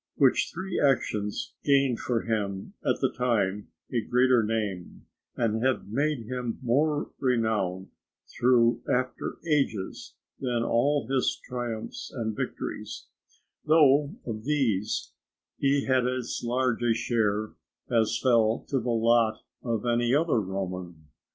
Which three actions gained for him at the time a greater name, and have made him more renowned through after ages than all his triumphs and victories, though of these he had as large a share as fell to the lot of any other Roman.